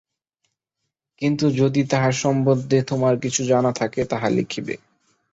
কিন্তু যদি তাহার সম্বন্ধে তোমার কিছু জানা থাকে, তাহা লিখিবে।